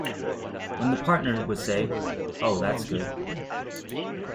When the partner would say, Oh that's good!